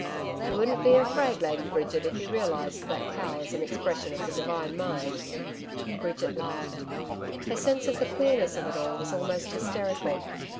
'You wouldn't be afraid, Lady Bridget, if you realised that cow as an expression of the Divine mind.' Bridget laughed. Her sense of the queerness of it all was almost hysterical.